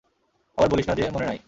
আবার বলিস না যে মনে নাই।